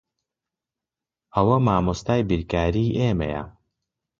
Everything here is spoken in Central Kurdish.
ئەو مامۆستای بیرکاریی ئێمەیە.